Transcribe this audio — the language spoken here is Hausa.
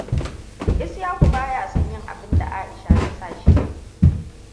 Ishaku baya son yin abinda Aisha ta sa shi ya yi.